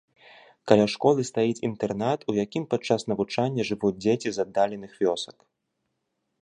Каля школы стаіць інтэрнат, у якім падчас навучання жывуць дзеці з аддаленых вёсак.